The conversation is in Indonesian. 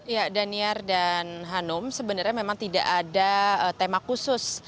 ya daniar dan hanum sebenarnya memang tidak ada tema khusus